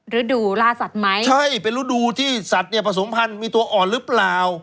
ฤดูล่าสัตว์ไหมใช่เป็นฤดูที่สัตว์เนี่ยผสมพันธ์มีตัวอ่อนหรือเปล่า